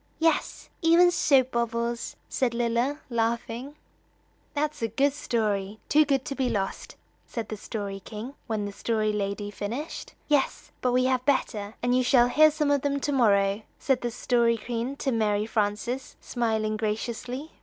"Yes, even soap bubbles," said Lilla, laughing. "That's a good story too good to be lost," said the Story King, when the Story Lady finished. "Yes, but we have better, and you shall hear some of them to morrow," said the Story Queen to Mary Frances, smiling graciously.